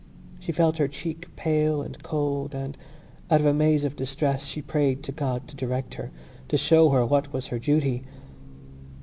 She felt her cheek pale and cold and, out of a maze of distress, she prayed to God to direct her, to show her what was her duty.